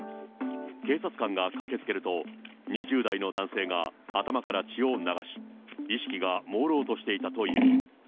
警察官が駆けつけると、２０代の男性が頭から血を流し、意識がもうろうとしていたという。